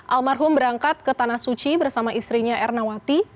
almarhum berangkat ke tanah suci bersama istrinya ernawati